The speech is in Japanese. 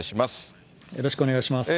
よろしくお願いします。